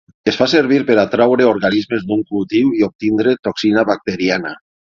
Es fa servir per a treure organismes d'un cultiu i obtenir toxina bacteriana.